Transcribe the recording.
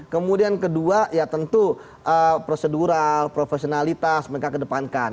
kemudian kedua ya tentu prosedural profesionalitas mereka kedepankan